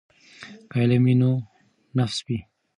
که علم وي نو نفس وي.